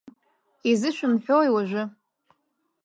Изышәымҳәои уажәы?